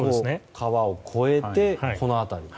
川を越えて、この辺り。